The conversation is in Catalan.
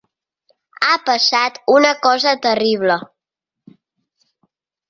Ha passat una cosa terrible.